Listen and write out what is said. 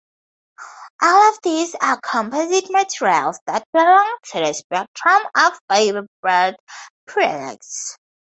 All of these are composite materials that belong to the spectrum of fiberboard products.